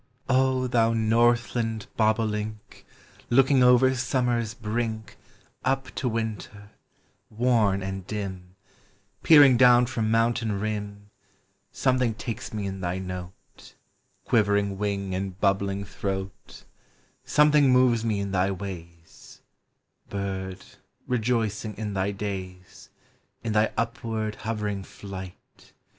Oh, thou northland bobolink, Looking over Summer's brink Up to Winter, worn and dim, Peering down from mountain rim, Something takes me in thy note, Quivering wing, and bubbling throat; Something moves me in thv wavs — Bird, rejoicing in thy days, In thy upward hovering flight.